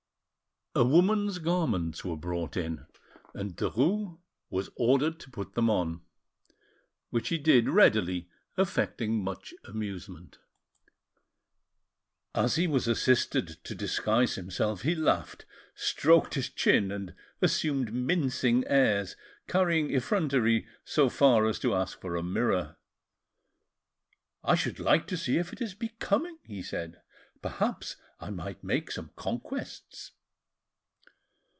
A woman's garments were brought in, and Derues was ordered to put them on, which he did readily, affecting much amusement. As he was assisted to disguise himself, he laughed, stroked his chin and assumed mincing airs, carrying effrontery so far as to ask for a mirror. "I should like to see if it is becoming," he said; "perhaps I might make some conquests."